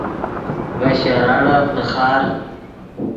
ڤے شراڑف نیخار